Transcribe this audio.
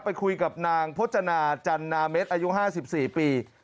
ไปคุยกับนางพจนาจันนาเม็ดอายุ๕๔ปี